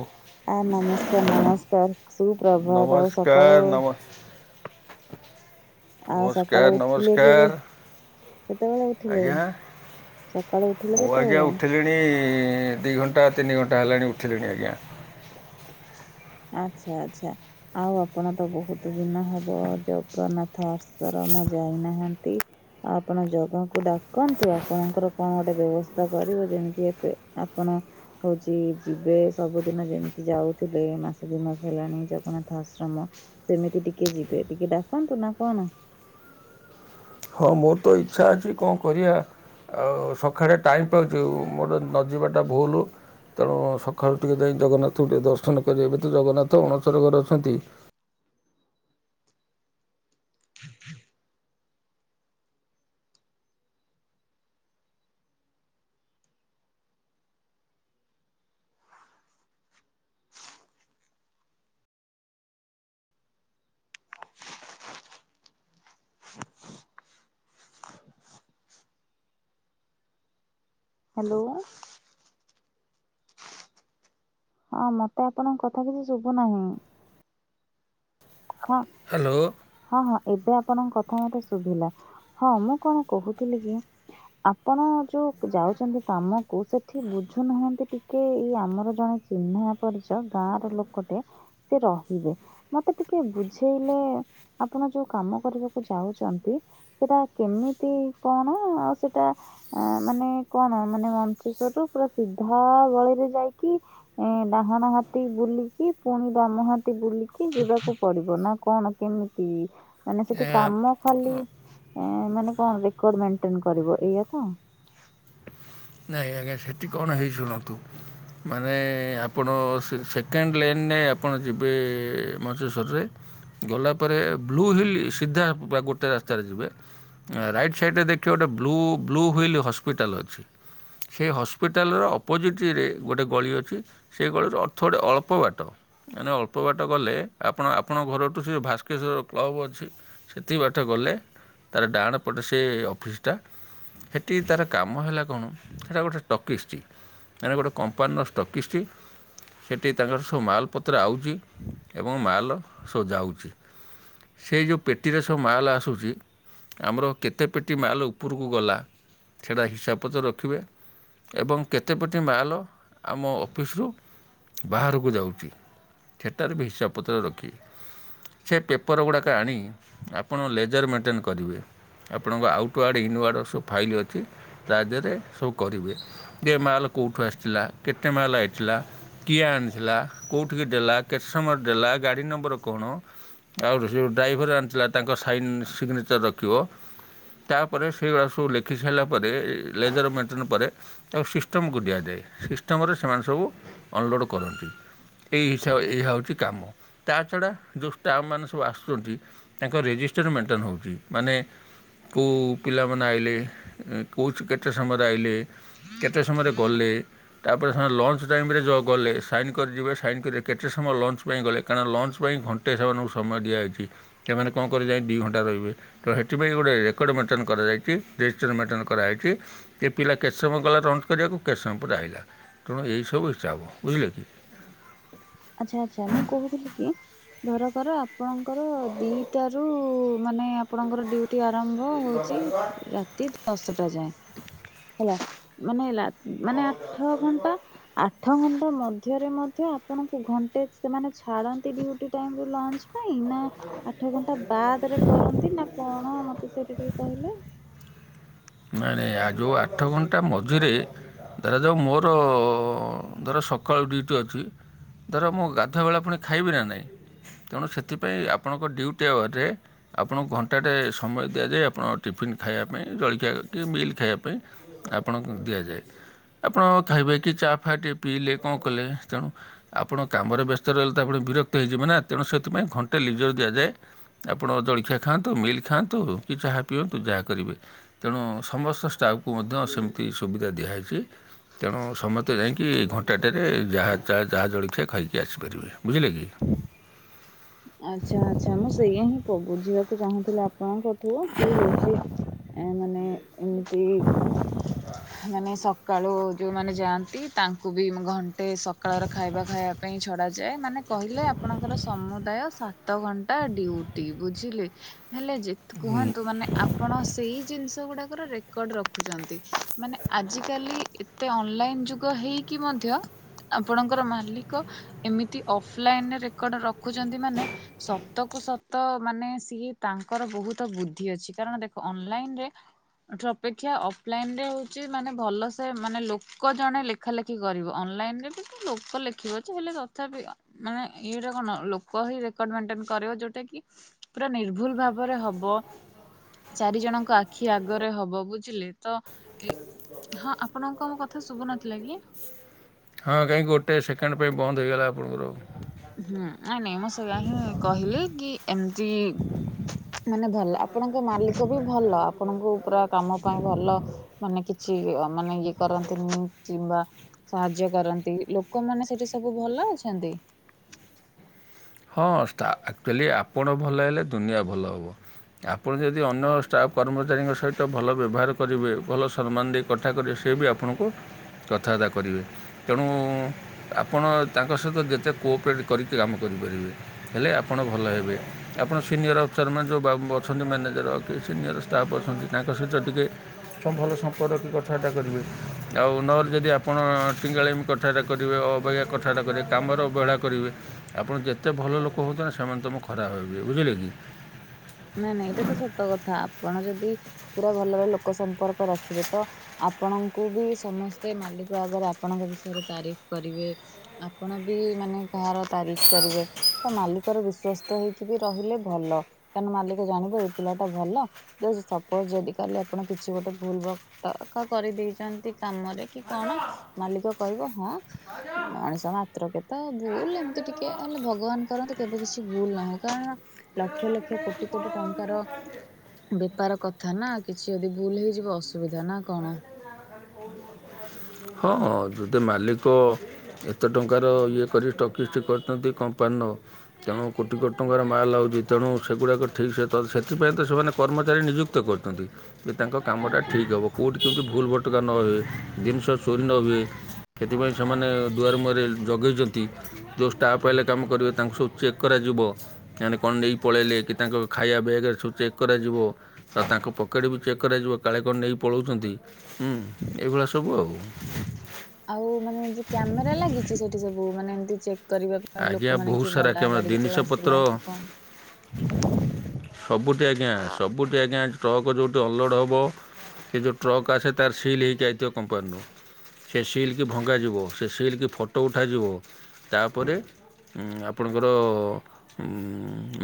ଓ। ଆ ନମସ୍କାର ନମସ୍କାର ସୁପ୍ରଭାତ ଆଉ ନମସ୍କାର ସକାଳୁ ନମ ଆଉ ନମସ୍କାର ସକାଳୁ ଉଠିଲେ ନମସ୍କାର କେବେ? କେତେବେଳେ ଉଠିଲେ ଆଜ୍ଞା ସକାଳୁ ଉଠିଲେ ମୁଁ ଆଜ୍ଞା କେତେବେଳେ? ଉଠିଲିଣି ଦିଇ ଘଣ୍ଟା ତିନି ଘଣ୍ଟା ହେଲାଣି ଉଠିଲିଣି ଆଜ୍ଞା। ଆଚ୍ଛା ଆଚ୍ଛା। ଆଉ ଆପଣ ତ ବହୁତ ଦିନ ହବ ଜଗନ୍ନାଥ ଆଶ୍ରମ ଯାଇନାହାନ୍ତି। ଆପଣ ଜଗକୁ ଡାକନ୍ତୁ ଆପଣଙ୍କର କଣ ଗୋଟେ ବ୍ୟବସ୍ଥା କରିବ ଯେମିତି ଆପଣ ହଉଛି ଯିବେ ସବୁଦିନ ଯେମିତି ଯାଉଥିଲେ ମାସ ଦ ମାସ ହେଲାଣି ଜଗନ୍ନାଥ ଆଶ୍ରମ ସେମିତି ଟିକେ ଯିବେ ଟିକେ ଡାକନ୍ତୁ ନା କଣ ହଁ ମୋର ତ ଇଚ୍ଛା ଅଛି କଣ କରିବା? ଆଉ ସକାଳେ ଟାଇମ ପାଉଛି ମୋର ନ ଯିବାଟା ଭୁଲ। ତେଣୁ ସକାଳୁ ଟିକେ ଯାଇ ଜଗନ୍ନାଥ ଟିକେ ଦର୍ଶନ କରିବାବେ ତ ଜଗନ୍ନାଥ ଅଣସର ଘରେ ଅଛନ୍ତି। ହ୍ୟାଲୋ। ହଁ ମତେ ଆପଣଙ୍କ କଥା କିଛି ଶୁଭୁ ନାହିଁ। ହଁ। ହ୍ୟାଲୋ। ହଁ ହଁ ଏବେ ଆପଣଙ୍କ କଥା ମତେ ଶୁଭିଲା ହଁ ମୁଁ କଣ କହୁଥିଲି କି ଆପଣ ଯୋଉ ଯାଉଛନ୍ତି କାମକୁ ସେଠି ବୁଝୁନାହାନ୍ତି ଟିକେ ଇ ଆମର ଜଣେ ଚିହ୍ନା ପରିଚ ଗାଁ ର ଲୋକଟେ ସେ ରହିବେ। ମତେ ଟିକେ ବୁଝେଇଲେ ଆପଣ ଯୋଉ କାମ କରିବାକୁ ଯାଉଛନ୍ତି। ସେଟା କେମିତି କଣ ଆଉ ସେଟା ଆ ମାନେ କଣ ମାନେ ମସେଶ୍ଵର ରୁ ପୁରା ସିଧା ବଳିରେ ଯାଇକି ଏ ଡାହାଣ ହାତୀ ବୁଲିକି ପୁଣି ବାମ ହାତୀ ବୁଲିକି ଯିବାକୁ ପଡିବ ନା କଣ କେମିତି ମାନେ ସେଠି କାମ ଖାଲି ଏ ମାନେ କଣ ରେକର୍ଡ ମେଟେନ କରିବ ଏଇଆ ତ ନାଇଁ ଆଜ୍ଞା ସେଠି କଣ ହେଇ ଶୁଣନ୍ତୁ ମାନେ ଆପଣ ସେକେଣ୍ଡ ଲେନରେ ଆପଣ ଯିବେ ମଞ୍ଚେଶ୍ୱରରେ। ଗଲା ପରେ ବ୍ଲୁ ହିଲ୍ ସିଧା ଗୋଟେ ରାସ୍ତାରେ ଯିବେ। ରାଇଟ୍ ସାଇଡ଼୍ ରେ ଦେଖିବ ଗୋଟେ ବ୍ଲୁ ବ୍ଲୁ ହୁିଲ୍ ହସ୍ପିଟାଲ୍ ଅଛି। ସେ ହସ୍ପିଟାଲର ଅପୋଜିଟ୍ରେ ଗୋଟେ ଗଳି ଅଛି ସେ ଗଳିର ଅର୍ଥ ଗୋଟିଏ ଅଳ୍ପ ବାଟ ମାନେ ଅଳ୍ପ ବାଟ ଗଲେ ଆପଣ ଆପଣଙ୍କ ଘରଠୁ ସେ ଭାସ୍କେଶର କ୍ଲବ୍ ଅଛି ସେତିକି ବାଠ ଗଲେ ତାର ଡାହାଣ ପଟେ ସେ ଅଫିସ୍ ଟା ସେଠି ତାର କାମ ହେଲା କଣ ସେଇଟା ଗୋଟେ ଷ୍ଟକିସ୍ଛି ଏଟ ଗୋଟେ କମ୍ପାନୀର ଷ୍ଟକିସ୍ଛି ସେଠି ତାଙ୍କର ସବୁ ମାଲ୍ ପତ୍ର ଆଉଛି ଏବଂ ମାଲ୍ ସଝାଉଛି ସେ ଯେଉଁ ପେଟିରେ ସବୁ ମାଲ ଆସୁଛି ଆମର କେତେ ପେଟି ମାଲ ଉପରକୁ ଗଲା ସେଇଟା ହିସାବପତ୍ର ରଖିବେ। ଏବଂ କେତେପଟି ମାଲ ଆମ ଅଫିସରୁ ବାହାରକୁ ଯାଉଛି ଥିଏଟର ବି ହିସାବ ପତ୍ର ରଖି ସେ ପେପର୍ ଗୁଡ଼ାକ ଆଣି ଆପଣ ଲେଜର ମେଣ୍ଟେନ୍ କରିବେ ଆପଣଙ୍କ ଆଉଟ୍ୱାର୍ଡ଼ ଇନୱାର୍ଡ଼ ସବୁ ଫାଇଲ ଅଛି ତା ଦେହରେ ସବୁ କରିବେ ଯେ ମାଲ କେଉଁଠୁ ଆସିଥିଲା କେତେ ମାଲ ଆଇଥିଲା କିଏ ଆଣିଥିଲା କେଉଁଠ ଦେଲା କେତେ ସମୟ ଦେଲା ଗାଡି ନମ୍ବର କଣ ଆଉ ଯେଉଁ ଡ୍ରାଇଭର ଆଣିଥିଲା ତାଙ୍କ ସାଇନ୍ ସିଗ୍ନେଚର ରଖିବ ତାପରେ ସେଇଗଡା ସବୁ ଲେଖି ସାରିଲା ପରେ ଲେଜର ମେଣ୍ଟେନ ପରେ ତାକୁ ସିଷ୍ଟମ୍କୁ ଦିଆଯାଏ ସିଷ୍ଟମରେ ସେମାନେ ସବୁ ଅନଲୋଡ଼୍ କରନ୍ତି। ଏହିସାବ ଏହାଇ ହେଉଛି କାମ ତା ଛଡ଼ା ଯେଉଁ ଷ୍ଟାଫ ମାନ ସବୁ ଆସୁଛନ୍ତି ତାଙ୍କ ରେଜିଷ୍ଟର ମେଣ୍ଟେନ ହେଉଛି ମାନେ କେଉ ପିଲାମାନେ ଆଇଲେ କହୁଛି କେତେ ସମୟରେ ଆଇଲ କେତେ ସମୟରେ ଗଲେ ତାପରେ ସେମାନେ ଲଞ୍ଚ ଟାଇମରେ ଯେଉଁ ଗଲେ ସାଇନ୍ କରିଯିବେ ସାଇନ୍ କରେ କେତେ ସମୟ ଲଞ୍ଚ ପାଇଁ ଗଲେ କାରଣ ନା ଲଞ୍ଚ ପାଇଁ ଘଣ୍ଟ ଗୋଟେ ସେମାନଙ୍କୁ ସମୟ ଦିଆଯାଇଛି। ସେମାନେ କଣ [unintelligible] ଦୁଇ ଘଣ୍ଟା ରହିବେ ତ ସେଥିପାଇଁ ଗୋଟେ ରେକର୍ଡ଼ ମେଣ୍ଟେନ କରାଯାଇଛି ରେଜିଷ୍ଟର ମେଣ୍ଟେନ କରାହୋଇଛି ଯେ ପିଲା କେଶବ ଗଲା ରଞଜ କରିବାକୁ କେଶବ ପୁରାହିଲା ତେଣୁ ଏହିସବୁ ହେଇଛି ଆପଣ ବୁଝିଲେ ଆଚ୍ଛା ଆଚ୍ଛା ମୁଁ କହୁଥିଲି କି ଧର କର ଆପଣଙ୍କର ଦିଟାରୁ ମାନେ ଆପଣଙ୍କର ଡ୍ୟୁ ଟି ଆରମ୍ଭ ହଉଛି ରାତି ଦଶଟା ଯାଏଁ ହେଲା ମାନେ ହେଲା ମାନେ ଆଠ ଘଣ୍ଟା ଆଠ ଘଣ୍ଟା ମଧ୍ୟରେ ମଧ୍ୟ ଆପଣଙ୍କୁ ଘଣ୍ଟେ ସେମାନେ ଛାଡ଼ନ୍ତି ଡ୍ୟୁଟି ଟାଇମରୁ ଲଞ୍ଚ କଣ ପାଇଁ ନା ଆଠ ଘଣ୍ଟା ବାଦରେ କରନ୍ତି ନା କଣ ମତେ ବିଷୟରେ ଟିକେ କହିଲେ? ମାନେ ଆ ଯୋଉ ଆଠ ଘଣ୍ଟା ମଝିରେ ଧରାଯାଉ ମୋର ଧର ସକାଳୁ ଡ୍ୟୁଟି ଅଛି ଧର ମୁଁ ଗାଧୁଆ ବେଳେ ପୁଣି ଖାଇବି ନା ନାହିଁ ତେଣୁ ସେଥିପାଇଁ ଆପଣଙ୍କ ଡ୍ୟୁଟି ଆୱରରେ ଆପଣଙ୍କୁ ଘଣ୍ଟାଟେ ସମୟ ଦିଆଯାଏ ଆପଣ ଟିଫିନ୍ ଖାଇବା ପାଇଁ ଜଳଖିଆ କି ମିଲ୍ ଖାଇବା ପାଇଁ ପାଇଁ ଆପଣଙ୍କୁ ଦିଆଯାଏ। ଆପଣ ଖାଇବେ କି ଚା ଫା ଟିକେ ପିଇଲେ କଣ କଲେ ତେଣୁ ଆପଣ କାମରେ ବ୍ୟସ୍ତ ରହିଲେ ତ ଆପଣ ବିରକ୍ତ ହେଇଯିବେ ନା ତେଣୁ ସେଥିପାଇଁ ଘଣ୍ଟେ ଲିଜର ଦିଆଯାଏ ଆପଣ ଜଳଖିଆ ଖାଆନ୍ତୁ ମିଲ୍ ଖାଆନ୍ତୁ କି ଚାହା ପିଅନ୍ତୁ ଯାହା କରିବେ। ତେଣୁ ସମସ୍ତ ଷ୍ଟାଫଙ୍କୁ ମଧ୍ୟ ସେମିତି ସୁବିଧା ଦିଆହେଇଛି। ତେଣୁ ସମସ୍ତେ ଯାଇକି ଘଣ୍ଟାଟାରେ ଯାହା ଚା ଜଳଖିଆ ଖାଇକି ଆସିପାରିବେ ବୁଝିଲେ କି? ଆଚ୍ଛା ଆଚ୍ଛା ମୁଁ ସେଇଆ ହିଁ ବୁଝିବାକୁ ଚାହୁଁଥିଲି ଆପଣଙ୍କଠୁ କି ହଉଛି। ଏ ମାନେ ଏମିତି ମାନେ ସ ସକାଳୁ ଯୋଉମାନେ ଯାଆନ୍ତି ତାଙ୍କୁ ବି ଘଣ୍ଟେ ସକାଳର ଖାଇବା ଖାଇବା ପାଇଁ ଛଡାଯାଏ ମାନେ କହିଲେ ଆପଣଙ୍କର ସମୁଦାୟ ସାତ ଘଣ୍ଟା ଡ୍ୟୁଟି ବୁଝିଲେ ହେଲେ କୁହନ୍ତୁ ମାନେ ଆପଣ ସେଇ ଜିନିଷ ଗୁଡ଼ାକର ରେକର୍ଡ଼ ରଖୁଛନ୍ତି ମାନେ ଆଜିକାଲି ଏତେ ଅନଲାଇନ ଯୁଗ ହେଇକି ମଧ୍ୟ ଆପଣଙ୍କର ମାଲିକ ଏମିତି ଅଫଲାଇନରେ ରେକର୍ଡ ରଖୁଛନ୍ତି ମାନେ ସତ କୁ ସତ ମାନେ ସିଏ ତାଙ୍କର ବହୁତ ବୁଦ୍ଧି ଅଛି କାରଣ ଦେଖ ଅନଲାଇନରେ ଅପେକ୍ଷା ଅଫଲାଇନରେ ହଉଛି ମାନେ ଭଲ ସେ ମାନେ ଲୋକ ଜଣେ ଲେ ଲେଖା ଲେଖି କରିବ ଅନଲାଇନରେ ବି ଲୋକ ଲେଖିବ ଯେ ହେଲେ ତଥାପି ମାନେ ଏଇଟା ମାନେ କଣ ଲୋକ ହିଁ ରେକର୍ଡ ମେଣ୍ଟେନ୍ କରିବ ଯୋଉଟା କି ପୁରା ନିର୍ଭୁଲ ଭାବରେ ହବ। ଚାରି ଜଣଙ୍କ ଆଖି ଆଗରେ ହବ ବୁଝିଲେ ତ ଏ ହଁ ଆପଣଙ୍କୁ ମୋ କଥା ଶୁଭୁନଥିଲା କି? ହଁ କାଇଁ ଗୋଟେ ସେକେଣ୍ଡ ପାଇଁ ବନ୍ଦ ହେଇଗଲା ଆପଣଙ୍କର? ହୁଁ ନାଇଁ ନାଇଁ ମୁଁ ସେଇୟା ହିଁ କହିଲି କି ଏମତି ମାନେ ଭଲ ଆପଣଙ୍କ ମାଲିକ ବି ଭଲ ଆପଣଙ୍କୁ ପୁରା କାମ ପାଇଁ ଭଲ ମାନେ କି କିଛି ମାନେ ଇଏ କରନ୍ତିନି କିମ୍ବା ସାହାଯ୍ୟ କରନ୍ତି ଲୋକମାନେ ସେଠି ସବୁ ଭଲ ଅଛନ୍ତି? ହଁ ଆକ୍ଚୁଆଲି ଷ୍ଟା ଆପଣ ଭଲ ହେଲେ ଦୁନିଆ ଭଲ ହେବ। ଆପଣ ଯଦି ଅନ୍ୟ ଷ୍ଟାଫ୍ କର୍ମଚାରୀଙ୍କ ସହିତ ଭଲ ବ୍ୟବହାର କରିବେ ଭଲ ସମ୍ମାନ ଦେଇ କଥା କରିବେ ସିଏ ବି ଆପଣଙ୍କୁ କଥାବାର୍ତ୍ତା କରିବେ। ତେଣୁ ଆପଣ ତାଙ୍କ ସହିତ ଯେତେ କୋପରେଟ୍ କରିକି କାମ କରିବେ। କରିପାରିବେ ହେଲେ ଆପଣ ଭଲ ହେବେ। ଆପଣ ସିନିୟର୍ ଅଫିସର ମାନେ ଯୋଉ ବାବୁ ଅଛନ୍ତି ମ୍ୟାନେଜର୍ କି ସିନିୟର୍ ଷ୍ଟାଫ୍ ଅଛନ୍ତି ତାଙ୍କ ସହିତ ଟିକିଏ ଭଲ ସମ୍ପର୍କ ରଖିକି କଥାବାର୍ତ୍ତା କରିବେ ଆଉ ନହେଲେ ଯଦି ଆପଣ ଟିଙ୍ଗାଳିଆମି କଥାବାର୍ତ୍ତା କରିବେ ଅବଗିଆ କଥାବାର୍ତ୍ତା କରିବେ କାମର ଅବହେଳା କରିବେ ଆପଣ ଯେତେ ଯେତେ ଭଲଲୋକ ହୁଅନ୍ତୁନା ସେମାନେ ତମକୁ ଖରାପ ଭାବିବେ ବୁଝିଲେ କି? ନାଇଁ ନାଇଁ ଏଇଟା ତ ସତ କଥା ଆପଣ ଯଦି ପୁରା ଭଲରେ ଲୋକ ସମ୍ପର୍କ ରଖିବେ ତ ଆପଣଙ୍କୁ ବି ସମସ୍ତେ ମାଲିକ ଆଗରେ ଆପଣଙ୍କ ବିଷୟରେ ତାରିଫ କରିବେ। ଆପଣ ବି ମାନେ କାହାର ତାରିଫ କରିବେ। ତ ମାଲିକର ବିଶ୍ଵସ୍ତ ହେଇକି ବି ରହିଲେ ଭଲ କାରଣ ମାଲିକ ଜାଣିବ ଏଇ ପିଲାଟା ଭଲ। ସପୋଜ ଯଦି କାଲି ଆପଣ କିଛି ଗୋଟେ ଭୁଲ୍ [unintelligible] କରିଦେଇଛନ୍ତି କାମରେ କି କଣ ମାଲିକ କହିବ ହଁ ମଣିଷ ମାତ୍ରକେ ତ ଭୁଲ ଏମିତି ଟିକେ ହେଲେ ଭଗବାନ କରନ୍ତୁ କେବେ କିଛି ଭୁଲ ନହଉ କାରଣ ଲକ୍ଷ ଲକ୍ଷ କୋଟି କୋଟି ଟଙ୍କାର ବେପାର କଥା ନା କିଛି ଯଦି ଭୁଲ୍ ହେଇଯିବ ଅସୁବିଧା ନା କଣ। [inaudible] ହଁ ହଁ ଯଦି ମାଲିକ ଏତେ ଟଙ୍କାର ଇଏ କରି [unintelligible] କରିଛନ୍ତି କମ୍ପାନୀର ତେଣୁ କୋଟି କୋଟି ଟଙ୍କାର ମାଲ୍ ଆଉଚି ତେଣୁ ସେଗୁଡ଼ାକ ଠିକ୍ ସେ ସେଥିପାଇଁ ତ ସେମାନେ କର୍ମଚାରୀ ନିଯୁ [unintelligible] କରୁଛନ୍ତି ଯେ ତାଙ୍କ କାମଟା ଠିକ୍ ହେବ କୋଉଠି କେମିତି ଭୁଲ୍ ଭଟକା ନ ହୁଏ ଜିନିଷ ଚୋରି ନ ହୁଏ ସେଥିପାଇଁ ସେମାନେ ଦୁଆର ମୁହଁରେ ଜଗେଇଛନ୍ତି। ଯୋଉ ଷ୍ଟାଫ୍ ଆଇଲେ କାମ କରିବେ ତାଙ୍କୁ ସବୁ ଚେକ୍ କରାଯିବ। କେଇଆଣି କଣ ନେଇ ପଳେଇଲେ କି ତାଙ୍କ ଖାଇବା ବ୍ୟାଗରେ ସବୁ ଚେକ୍ କରାଯିବ। ତ ତାଙ୍କ ପକେଟ୍ ବି ଚେକ୍ କରାଯିବ କାଳେ କଣ ନେଇ ପଳାଉଚନ୍ତି ହୁଁ ଏଇଭଳିଆ ସବୁ ଆଉ। [unintelligible] ଆଉ ମାନେ ଯୋଉ କ୍ୟାମେରା ଲାଗିଛି ସେଠି ସବୁ ମାନେ ଏମିତି ଚେ କରିବା ପାଇଁ ଆଜ୍ଞା ଲୋକମାନେ ବହୁତ କିଏ ସାରା ଗଲା କ୍ୟାମେରା ଗାଡ଼ି କେତେବେଳେ ଜିନିଷପତ୍ର ଆସିଲା କି କଣ ସବୁଠି ଆଜ୍ଞା ସବୁଠି ଆଜ୍ଞା ଟ୍ରକ୍ ଯୋଉଠି ଅଲୋଡ଼ ହବ ସେ ଯୋଉ ଟ୍ରକ୍ ଆସେ ତାର ସିଲ୍ ହେଇକି ଆଇଥିବ କମ୍ପାନୀରୁ ସେ ସିଲ୍ କି ଭଙ୍ଗାଯିବ ସେ ସିଲ୍ କି ଫଟୋ ଉଠାଯିବ। ପରେ ଆପଣଙ୍କର ଉଁ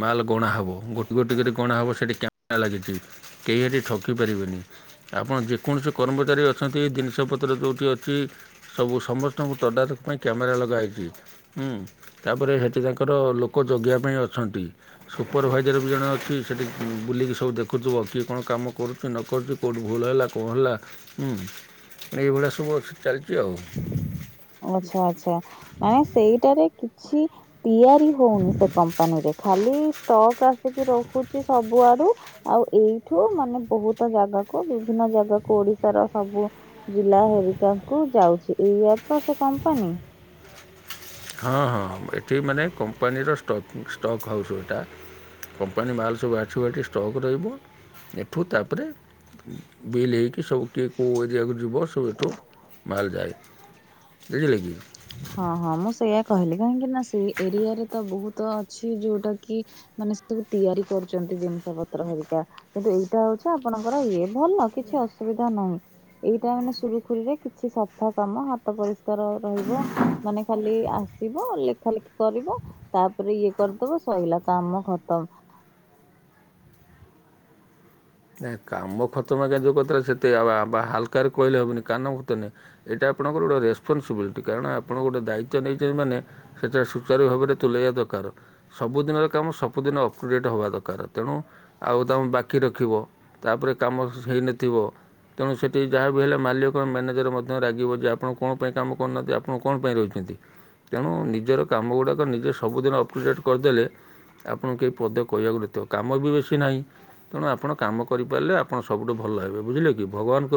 ମାଲ୍ ଗଣା ହବ ଗୋଟି ଗୋଟି କରି ଗଣା ହବ ସେଠି କ୍ୟାମେରା ଲାଗି [unintelligible] କେହି ହେଠି ଠକି ପାରିବେନି। ଆପଣ ଯେକୌଣସି କର୍ମଚାରୀ ଅଛନ୍ତି ଜିନିଷପତ୍ର ଯୋଉଠି ଅଛି। ସବୁ ସମସ୍ତଙ୍କୁ ତଦାରକ ପାଇଁ କ୍ୟାମେରା ଲଗାହେଇଥାଏ। ହୁଁ ତାପରେ ସେଠି ତାଙ୍କର ଲୋକ ଜଗିବା ପାଇଁ ଅଛନ୍ତି। ସୁପରଭାଇଜର ବି ଜଣେ ଅଛି ସେଠି ବୁଲିକି ସବୁ ଦେଖୁଥିବ କିଏ କଣ କାମ କରୁଛି ନ କରୁଛି। କୋଉଠୁ ଭୁଲ୍ ହେଲା କଣ ହେଲା ଉଁ ଏଇଭଳିଆ ସବୁ ଅଛି ଚାଲିଛି ଆଉ। ଆଚ୍ଛା ଆଚ୍ଛା ମାନେ ସେଇଟାରେ କିଛି‌ ତିଆରି ହଉନି ସେ କମ୍ପାନୀରେ ଖାଲି ଷ୍ଟକ୍ ଆସିକି ରହୁଛି ସବୁଆଡୁ଼। ଆଉ ଏଇଠୁ ମାନେ ବହୁତ ଜାଗାକୁ ବିଭିନ୍ନ ଜାଗାକୁ ଓଡ଼ିଶାର ସବୁ ଜିଲ୍ଲା ହେରିକା କୁ ଯାଉଛି ଏଇଆ ତ ସେ କମ୍ପାନୀ। ହଁ ହଁ ଏଠି ମାନେ କମ୍ପାନୀର ଷ୍ଟକ୍ ଷ୍ଟକ୍ ହାଉସ୍ ଏଇଟା। କମ୍ପାନୀ ମାଲ୍ ସବୁ ଆସିବ ଏଠି ଷ୍ଟକ୍ ରହିବ ଏଠୁ ତାପରେ ବିଲ୍ ହେଇକି ସବୁ କିଏ କୋଉ ଏରିଆକୁ ଯିବ ସବୁ ଏଠୁ ମାଲଯାଏ। ବୁଝିଲେକି। ହଁ ହଁ ମୁଁ ସେଇଆ କହିଲି କାହିଁକି ନା ସେଇ ଏରିଆରେ ତ ବହୁତ ଅଛି ଯୋଉଟା କି ମାନେ ସେଠି ବି ତିଆରି କରୁଛନ୍ତି ଜିନିଷ ପତ୍ର ହେରିକା। କିନ୍ତୁ ଏଇଟା ହଉଛି ଆପଣଙ୍କର ଇଏ ଭଲ କିଛି ଅସୁବିଧା ନାହିଁ। ଏଇଟା ମାନେ ସୁରୁଖୁରୁରେ କିଛି ସଫା କାମ ହାତ ପରିଷ୍କାର ରହିବ। ମାନେ ଖାଲି ଆସିବ ଲେଖା ଲେଖି କରିବ ତାପରେ ଇଏ କରିଦବ ସରିଲା କାମ ଖତମ। ନାଇଁ କାମ ଖତମ ଆଜ୍ଞା ଯୋଉ କଥାରେ ସେତେ ହାଲକାରେ କହିଲେ ହବନି [unintelligible] ନାହିଁ। ଏଇଟା ଆପଣଙ୍କର ଗୋଟେ ରେସ୍ପନ୍ସବିଲିଟି କାରଣ ଆପଣ ଗୋଟେ ଦାୟିତ୍ୱ ନେଇଛନ୍ତି ମାନେ ସେଟା ସୁଚାରୁ ଭାବରେ ତୁଲେଇବା ଦରକାର। ସବୁଦିନର କାମ ସବୁଦିନ ଅପୁଡେଟ୍ ହେବା ଦରକାର ତେଣୁ ଆଉ ତମେ ବାକି ରଖିବ। ତାପରେ କାମ ହେଇନଥିବ। ତେଣୁ ସେଠି ଯାହାବି ବି ହେଲେ ମାଲିକ ମ୍ୟାନେଜର ମଧ୍ୟ ରାଗିବ ଯେ ଆପଣ କଣ ପାଇଁ କାମ କରୁନାହାନ୍ତି ଆପଣ କଣ ପାଇଁ ରହିଛନ୍ତି। ତେଣୁ ନିଜର କାମ ଗୁଡ଼ାକ ନିଜେ ସବୁଦିନ ଅପ୍ରିସିଏଟ୍ କରିଦେଲେ ଆପଣଙ୍କୁ କେହି ପଦ କହିବାକୁ ନଥିବ କାମ ବି ବେଶୀ ନାହିଁ ତେଣୁ ଆପଣ କାମ କରିପାରିଲେ ଆପଣ ସବୁଠୁ ଭଲ ହେବେ ବୁଝିଲେ କି ଭଗବାନଙ୍କ